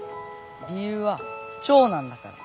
理由は長男だから。